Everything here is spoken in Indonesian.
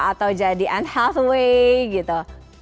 atau jadi anne hathaway gitu